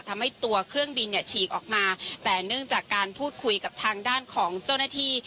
ทำให้ตัวเครื่องบินเนี่ยฉีกออกมาแต่เนื่องจากการพูดคุยกับทางด้านของเจ้าหน้าที่